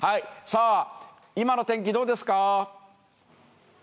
さあ今の天気どうですか？